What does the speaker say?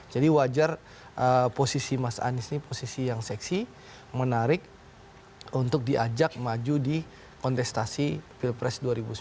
jadi wajar posisi mas anies ini posisi yang seksi menarik untuk diajak maju di kontestasi pilpres dua ribu sembilan belas